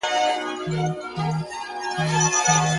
په روغتون کي شل پنځه ویشت شپې دېره سو!!